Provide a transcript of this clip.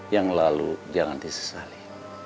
yang lalu jangan disesali